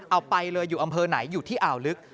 เอาไปเลยอยู่อำเภอไหนอยู่ที่อ่าวลึก